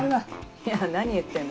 いや何言ってんの。